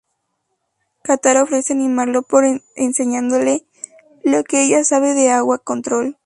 Katara ofrece animarlo por enseñándole lo que ella sabe de Agua Control.